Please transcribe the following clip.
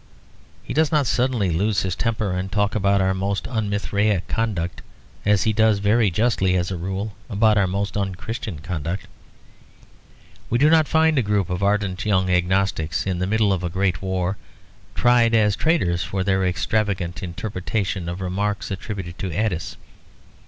He does not suddenly lose his temper and talk about our most unmithraic conduct, as he does (very justly as a rule) about our most unchristian conduct. We do not find a group of ardent young agnostics, in the middle of a great war, tried as traitors for their extravagant interpretation of remarks attributed to Atys.